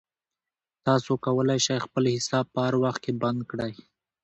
تاسو کولای شئ خپل حساب په هر وخت کې بند کړئ.